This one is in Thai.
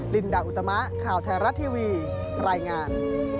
ลินดาอุตมะข่าวไทยรัฐทีวีรายงาน